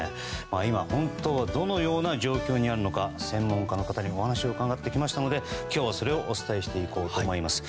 今、本当にどのような状況にあるのか専門家の方にお話を伺ってきましたので今日はそれをお伝えしていこうと思います。